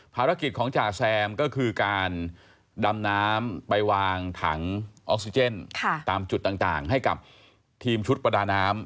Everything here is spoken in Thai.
ภารกิจของจ่าแซมก็คือการดำน้ำไปวางถังออกซิเจนตามจุดต่างให้กับทีมชุดประดาน้ำ